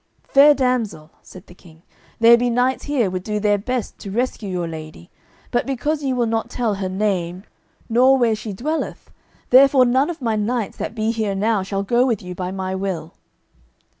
"Fair damsel," said the King, "there be knights here would do their best to rescue your lady, but because ye will not tell her name, nor where she dwelleth, therefore none of my knights that be here now shall go with you by my will."